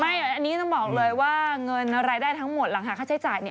อันนี้ต้องบอกเลยว่าเงินรายได้ทั้งหมดหลังหาค่าใช้จ่ายเนี่ย